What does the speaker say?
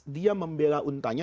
dia membela untanya